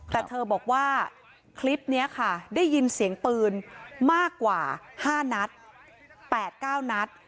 แต่เธอบอกว่าคลิปนี้ค่ะได้ยินเสียงปืนมากกว่า๕นัด๘๙นัด